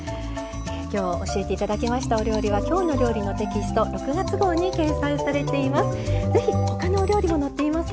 きょう教えていただきましたお料理は「きょうの料理」のテキスト６月号に掲載されています。